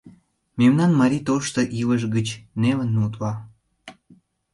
Мемнан марий тошто илыш гыч нелын утла.